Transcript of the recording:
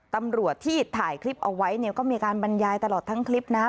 ตำรวจที่ถ่ายคลิปเอาไว้เนี่ยก็มีการบรรยายตลอดทั้งคลิปนะ